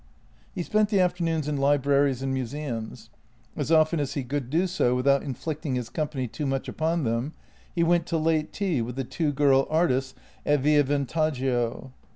He spent the afternoons in libraries and museums. As often as he could do so without inflicting his company too much upon them, he went to late tea with the two girl artists at Via Van taggio.